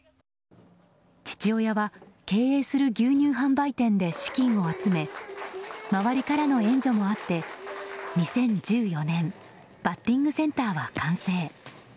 父親は経営する牛乳販売店で資金を集め周りからの援助もあって２０１４年バッティングセンターは完成。